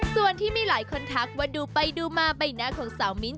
ส่วนที่มีหลายคนทักว่าดูไปดูมาใบหน้าของสาวมิ้นท